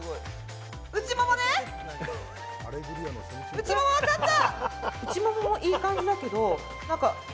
内ももわかった！